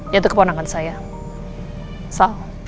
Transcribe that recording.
yaitu keponangan saya sal